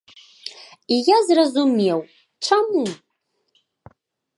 І я зразумеў, чаму!